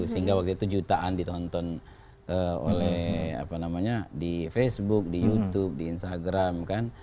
sehingga waktu itu jutaan ditonton oleh apa namanya di facebook di youtube di instagram kan